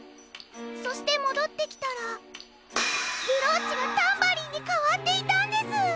そしてもどってきたらブローチがタンバリンにかわっていたんです！